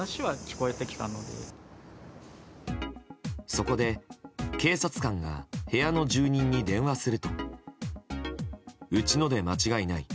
そこで警察官が部屋の住人に電話するとうちので間違いない。